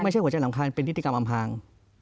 ไม่ใช่หัวใจสำคัญเป็นพิธีกรรมอำพาง